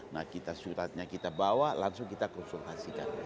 nah kita suratnya kita bawa langsung kita konsultasikan